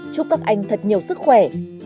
chúc các anh thật nhiều sức khỏe